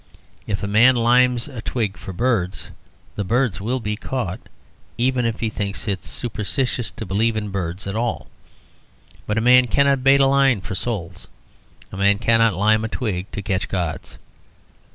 If a man limes a twig for birds, the birds will be caught, even if he thinks it superstitious to believe in birds at all. But a man cannot bait a line for souls. A man cannot lime a twig to catch gods.